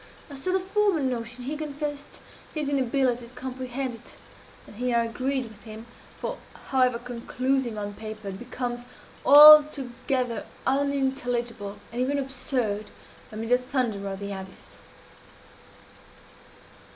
As to the former notion he confessed his inability to comprehend it; and here I agreed with him for, however conclusive on paper, it becomes altogether unintelligible, and even absurd, amid the thunder of the abyss.